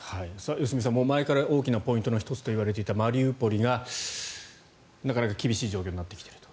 良純さん、前から大きなポイントの１つといわれていたマリウポリがなかなか厳しい状況になってきていると。